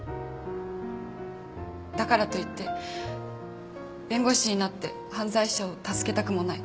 だからといって弁護士になって犯罪者を助けたくもない。